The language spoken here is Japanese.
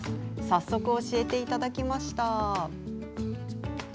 早速、教えていただきました。